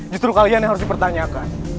justru kalian yang harus dipertanyakan